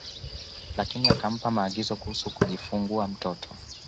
Lakini akampa maagizo kuhusu kujifungua mtoto